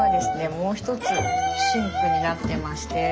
もう一つシンクになってまして。